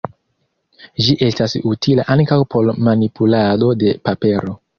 Ĝi estas utila ankaŭ por manipulado de papero.